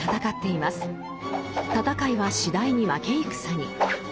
戦いは次第に負け戦に。